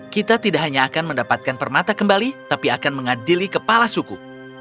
kita tidak hanya akan mendapatkan permata kembali tapi akan mengadili kepala suku